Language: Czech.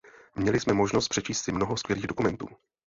Měli jsme možnost přečíst si mnoho skvělých dokumentů.